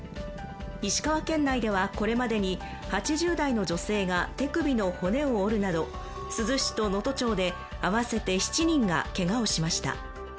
石川県内ではこれまでに８０代の女性が手首の骨を折るなど珠洲市と能登町で合わせて７人がけがをしました。